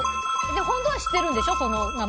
でも本当は知ってるんでしょ。